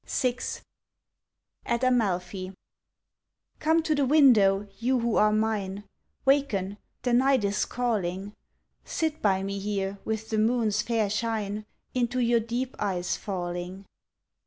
VI AT AMALFI Come to the window, you who are mine. Waken! the night is calling. Sit by me here with the moon's fair shine Into your deep eyes falling.